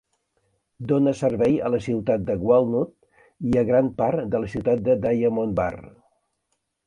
Dóna servei a la ciutat de Walnut i a gran part de la ciutat de Diamond Bar.